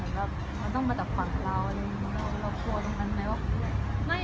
ต้องคิดเป็นอะไรใครจะบอกว่าต้องมาตั้งแต่นั้น